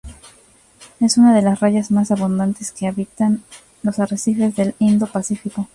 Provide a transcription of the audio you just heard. Es una de las rayas más abundantes que habitan los arrecifes del Indo-Pacífico.